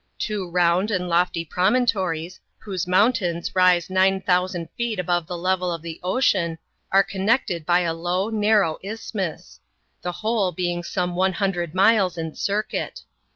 Two round and lofty promontories, whose mountains rise nine thousand feet above the level of the ocean, are connected by a low, narrow isthmus ; the whole being some one hundred miles in circuit.